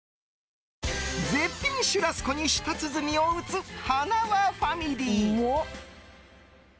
絶品シュラスコに舌鼓を打つはなわファミリー。